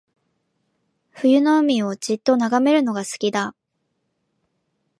冬の海をじっと眺めるのが好きだ